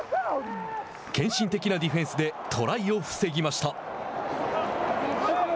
献身的なディフェンスでトライを防ぎました。